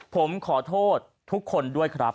ผมขอโทษทุกคนด้วยครับ